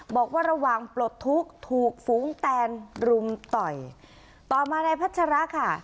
บอกว่าระหว่างปลดทุกข์ถูกฝูงแตนรุมต่อยต่อมานายพัชระค่ะ